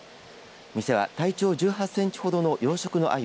店は体長１８センチほどの養殖のアユ